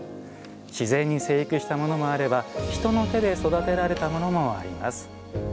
自然に生育したものもあれば人の手で育てられたものもあります。